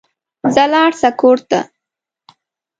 ځه ولاړ سه کور ته